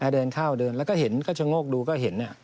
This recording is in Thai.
เดินเข้าเดินแล้วก็เห็นก็ชะโงกดูก็เห็น